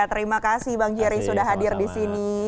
terima kasih bang jerry sudah hadir di sini